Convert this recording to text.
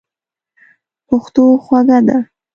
پښتو خوږه ده.